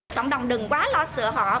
cộng đồng đừng quá lo sợ họ